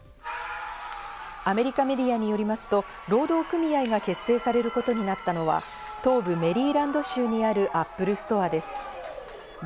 アメリカメディアによりますと、労働組合が結成されることになったのは東部メリーランド州にあるＡｐｐｌｅストアです。